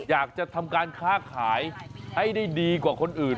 อยากจะทำการค้าขายให้ได้ดีกว่าคนอื่น